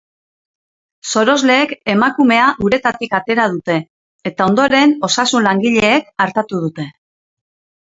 Sorosleek emakumea uretatik atera dute, eta ondoren osasun-langileek artatu dute.